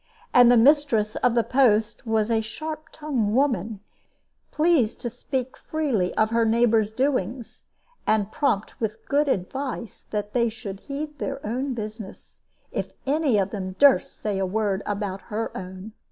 And the mistress of the post was a sharp tongued woman, pleased to speak freely of her neighbors' doings, and prompt with good advice that they should heed their own business, if any of them durst say a word about her own.